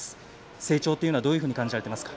成長というのはどういうふうに感じていますか？